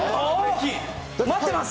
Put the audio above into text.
待ってます！